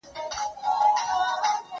زه د کتابتوننۍ سره خبري کړي دي،